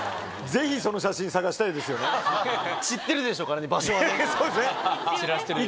知ってるでしょうからね場所はね。